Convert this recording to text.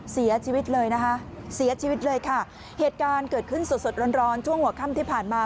เสียชีวิตเลยค่ะเหตุการณ์เกิดขึ้นสดร้อนช่วงหัวค่ำที่ผ่านมา